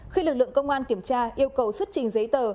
khi lực lượng công an kiểm tra yêu cầu xuất trình giấy tờ